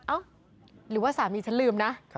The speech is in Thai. หรือว่าสามีฉันลืมนะ